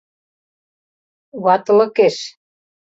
Ватылыкеш.